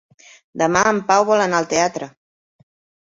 Demà en Pau vol anar al teatre.